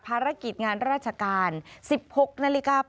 ภารกิจงานราชการ๑๖นาฬิกา